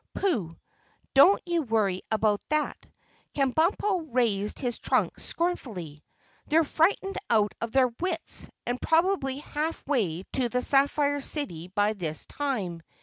"Pooh! Don't you worry about that." Kabumpo raised his trunk scornfully. "They're frightened out of their wits and probably half way to the Sapphire City by this time.